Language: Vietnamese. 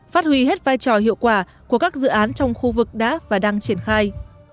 phát huy hết vai trò hiệu quả của các dự án trong khu vực đã và đang triển khai